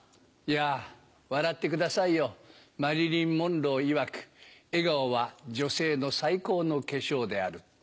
いや笑ってくださいよマリリン・モンローいわく笑顔は女性の最高の化粧である。